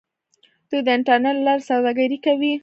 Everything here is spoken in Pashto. دوی د انټرنیټ له لارې سوداګري کوي.